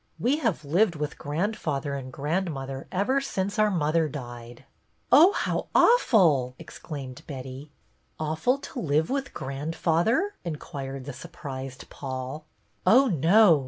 "We have lived with grandfather and grandmother ever since our mother died." " Oh, how awful !" exclaimed Betty. "Awful to live with grandfather?" in quired the surprised Paul. " Oh, no.